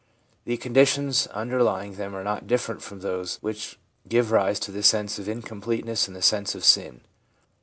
The conditions under lying them are not different from those which give rise to the sense of incompleteness and the sense of sin.